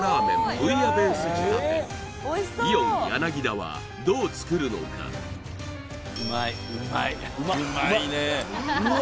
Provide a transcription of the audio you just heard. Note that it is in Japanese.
ブイヤベース仕立てイオン田はどう作るのかうまっうまっうわ